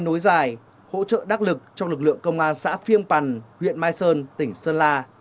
nối dài hỗ trợ đắc lực cho lực lượng công an xã phiêng pằn huyện mai sơn tỉnh sơn la